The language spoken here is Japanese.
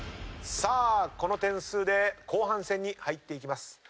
さあこの点数で後半戦に入っていきます。